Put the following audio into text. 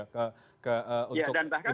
untuk ibadah haji